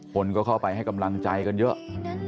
คนก็เข้าไปให้กำลังใจกันเยอะ